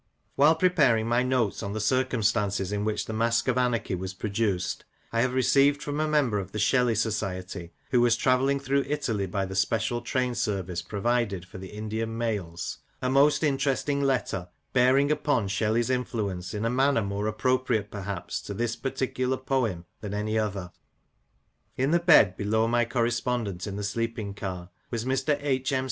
While preparing my notes on the circumstances in which The Mask of Anarchy was produced, I have re ceived from a member of the Shelley Society, who was travelling through Italy by the special train service provided for the Indian mails, a most interesting letter, bearing upon Shelley's influence in a manner more ap propriate, perhaps, to this particular poem than any other. In the bed below my correspondent in the sleeping car was Mr. H. M.